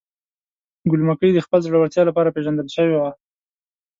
ګل مکۍ د خپل زړورتیا لپاره پیژندل شوې وه.